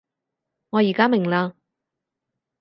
我而家明喇